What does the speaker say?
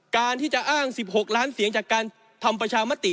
การที่จะอ้าง๑๖ล้านเสียงจากการทำประชามติ